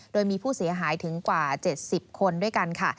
โดยมีผู้เสียหายถึงกว่า๗๐คนด้วยกันค่ะ